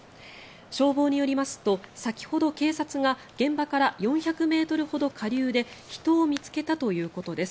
消防によりますと先ほど警察が現場から４００ｍほど下流で人を見つけたということです。